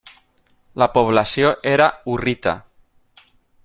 La població era hurrita.